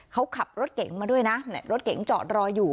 เขาขับรถเก๋งมาด้วยนะรถเก๋งจอดรออยู่